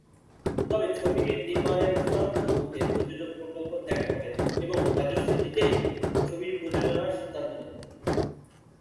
তবে ছবিটির নির্মানের চূড়ান্ত মুহূর্তে প্রযোজক প্রকল্প ত্যাগ করেন এবং রাজশ্রী নিজেই ছবিটি প্রযোজনার সিদ্ধান্ত নেন।